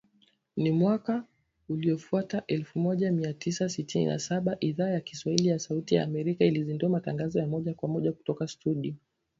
Na mwaka uliofuata, elfu moja mia tisa sitini na saba, Idhaa ya Kiswahili ya Sauti ya Amerika ilizindua matangazo ya moja kwa moja kutoka studio